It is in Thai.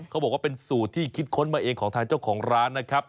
เขาบอกว่าเป็นสูตรที่คิดค้นมาเองของทางเจ้าของร้านนะครับ